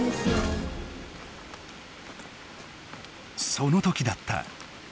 その時だった。